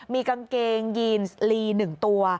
มีกางเกงยีนลี๑ตัว